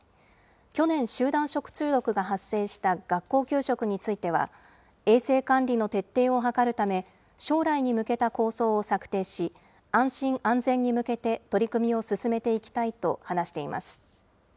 去年、集団食中毒が発生した学校給食については、衛生管理の徹底を図るため、将来に向けた構想を策定し、安心安全に向けて取り組みを進めていきたいと話しています。